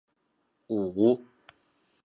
二话不说拉住她的手往回走